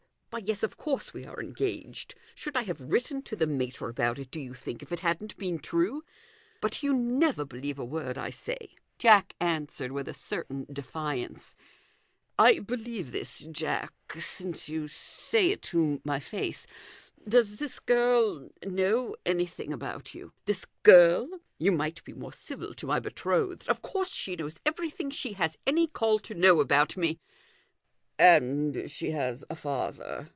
" Why, yes ; of course we are engaged. Should I have written to the mater about it, do you think, if it hadn't been true ? But you never believe a word I say," Jack answered, with a certain defiance. "I believe this, Jack, since you say it to 292 THE GOLDEN RULE. my face. Does this girl know anything about you?" " This girl ! You might be more civil to my betrothed. Of course she knows everything she has any call to know about me "" And she has a father